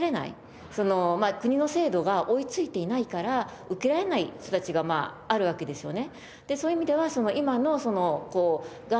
国の制度が追いついていないから受けられない人たちがまああるわけですよね。